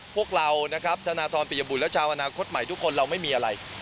พวกเรานะครับธนทรปิยบุตรและชาวอนาคตใหม่ทุกคนเราไม่มีอะไร